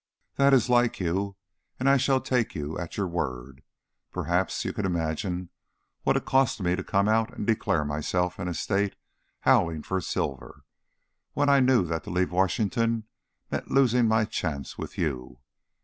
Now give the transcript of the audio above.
"That is like you, and I shall take you at your word. Perhaps you can imagine what it cost me to come out and declare myself in a State howling for Silver, when I knew that to leave Washington meant losing my chance with you.